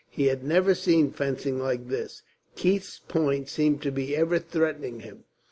He had never seen fencing like this. Keith's point seemed to be ever threatening him.